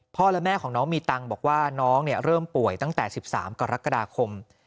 พ่อและแม่ของน้องมีตังค์บอกว่าน้องเนี้ยเริ่มป่วยตั้งแต่สิบสามกรกฎาคม